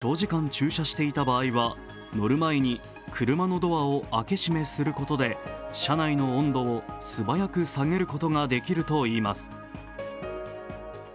ＪＡＦによりますと、車を長時間駐車していた場合は乗る前に車のドアを開け閉めすることで車内の温度を素早く下げることができるといいます。